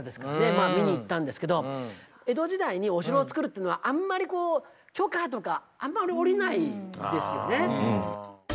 まあ見に行ったんですけど江戸時代にお城を造るっていうのはあんまりこう許可とかあんまり下りないんですよね。